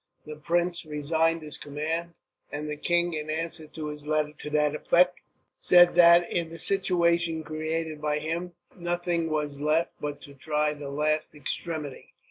The prince resigned his command, and the king, in answer to his letter to that effect, said that, in the situation created by him, nothing was left but to try the last extremity.